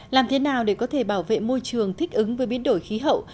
làm thế nào để có thể bảo vệ môi trường thích ứng với biến đổi khí hậu